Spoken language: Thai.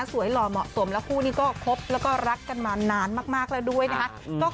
หล่อเหมาะสมแล้วคู่นี้ก็คบแล้วก็รักกันมานานมากแล้วด้วยนะคะ